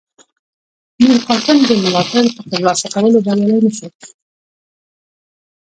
میرقاسم د ملاتړ په ترلاسه کولو بریالی نه شو.